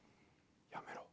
やめろ。